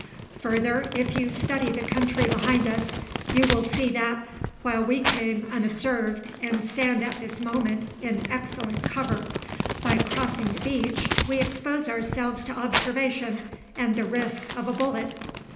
Further, if you study the country behind us, you will see that, while we came unobserved and stand at this moment in excellent cover, by crossing the beach we expose ourselves to observation and the risk of a bullet."